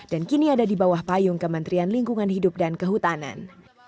dan kini ada di bawah payung kementerian lingkungan hidup dan kehutanan